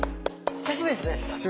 久しぶりです。